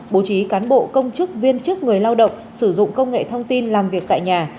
bố trí cán bộ công chức viên chức người lao động sử dụng công nghệ thông tin làm việc tại nhà